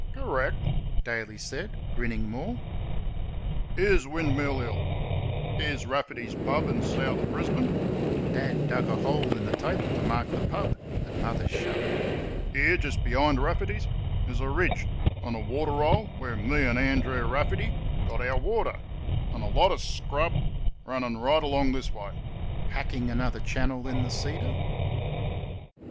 "Correct," Daly said, grinning more. "Here's Windmill Hill; here's Rafferty's pub in South Brisbane" (Dad dug a hole in the table to mark the pub, and Mother shuddered); here, just behind Rafferty's, is a ridge, an' a waterhole where me an' Andrew Rafferty got our water, an' a lot o' scrub runnin' right along this way (hacking another channel in the cedar).